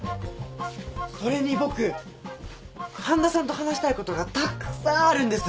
それに僕半田さんと話したいことがたくさんあるんです！